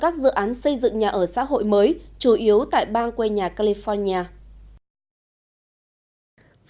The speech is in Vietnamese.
các dự án xây dựng nhà ở xã hội mới chủ yếu tại bang quê nhà california